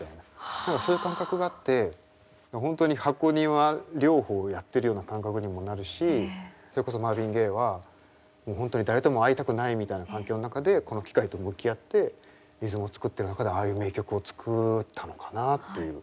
何かそういう感覚があって本当に箱庭療法やってるような感覚にもなるしそれこそマーヴィン・ゲイはもう本当に誰とも会いたくないみたいな環境の中でこの機械と向き合ってリズムを作ってる中でああいう名曲を作ったのかなっていう。